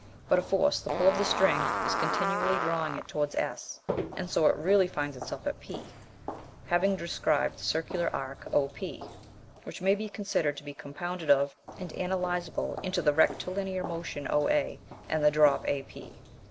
But a force, the pull of the string, is continually drawing it towards S, and so it really finds itself at P, having described the circular arc OP, which may be considered to be compounded of, and analyzable into the rectilinear motion OA and the drop AP.